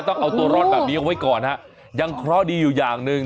ต้องเอาตัวรอดแบบนี้เอาไว้ก่อนฮะยังเคราะห์ดีอยู่อย่างหนึ่ง